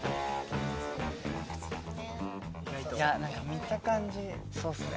見た感じそうっすね。